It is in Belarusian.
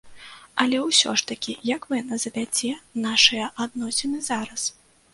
Але ўсё ж такі, як вы назавяце нашыя адносіны зараз?